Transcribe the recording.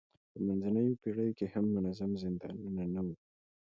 په منځنیو پېړیو کې هم منظم زندانونه نه وو.